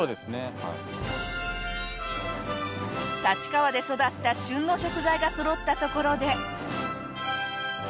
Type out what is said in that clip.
立川で育った旬の食材がそろったところで。